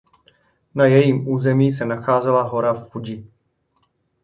Na jejím území se nacházela hora Fudži.